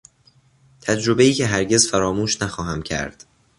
تجربهای که هرگز فراموش نخواهم کرد